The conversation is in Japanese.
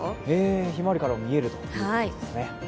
ひまわりからも見えるということですね。